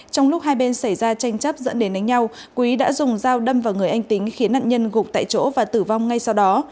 trong lúc hai bên xảy ra tranh chấp dẫn đến đánh nhau quý đã dùng dao đâm vào người anh tính khiến nạn nhân gục tại chỗ và tử vong ngay sau đó